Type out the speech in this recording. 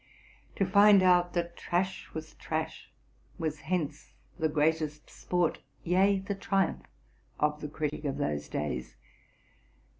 'To find out that trash was trash was hence the greatest sport, yea, the triumph, of the critics of those days.